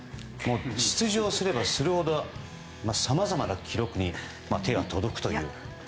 出場すればするほどさまざまな記録に手が届くと。